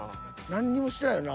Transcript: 何にもしてないよな。